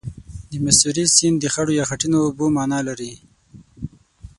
د میسوری سیند د خړو یا خټینو اوبو معنا لري.